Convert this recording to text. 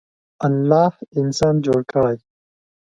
الله انسان جوړ کړی.